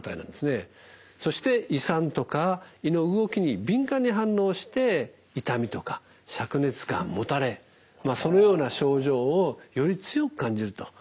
そして胃酸とか胃の動きに敏感に反応して痛みとかしゃく熱感もたれそのような症状をより強く感じるということが分かっています。